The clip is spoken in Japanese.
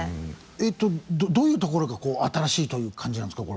えっとどういうところが新しいという感じなんですか？